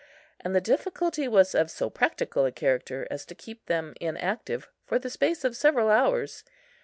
And the difficulty was of so practical a character as to keep them inactive for the space of several hours.